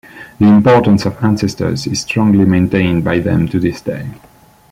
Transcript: The importance of ancestors is strongly maintained by them to this day.